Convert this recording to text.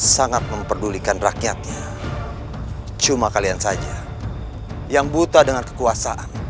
sangat memperdulikan rakyatnya cuma kalian saja yang buta dengan kekuasaan